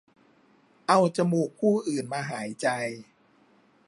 เอาจมูกผู้อื่นมาหายใจ